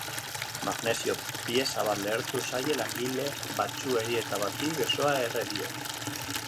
Magnesio pieza bat lehertu zaie langile batzuei, eta bati besoa erre dio.